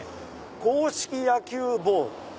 「硬式野球ボール」